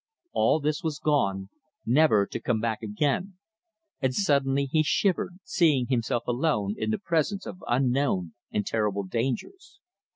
All this was gone, never to come back again; and suddenly he shivered, seeing himself alone in the presence of unknown and terrible dangers.